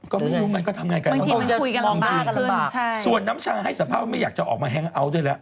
ก็ไม่รู้มันก็ทำง่ายกันมันคือมันมองด้วยส่วนน้ำชาให้สภาพไม่อยากจะออกมาแล้วด้วยแล้ว